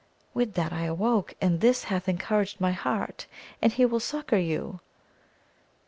with that I awoke, and this hath encouraged my heart, and he will succour you.